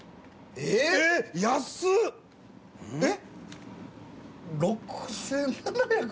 えっ！？